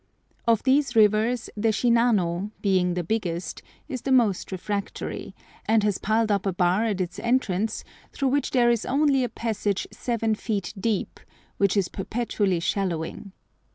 Of these rivers the Shinano, being the biggest, is the most refractory, and has piled up a bar at its entrance through which there is only a passage seven feet deep, which is perpetually shallowing.